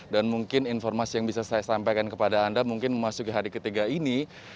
dan mungkin informasi yang bisa saya sampaikan kepada anda mungkin memasuki hari ketiga ini